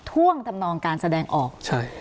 ท่วงทำนองการแสดงออกใช่